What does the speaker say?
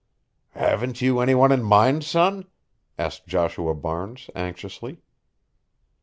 "Haven't you any one in mind, son?" asked Joshua Barnes, anxiously.